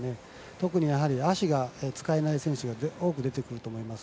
特に足が使えない選手が多く出てくると思います。